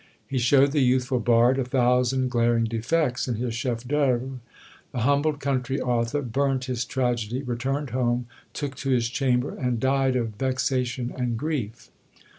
He showed the youthful bard a thousand glaring defects in his chef d'oeuvre. The humbled country author burnt his tragedy, returned home, took to his chamber, and died of vexation and grief.